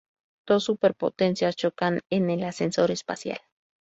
Dos superpotencias chocan en el ascensor espacial.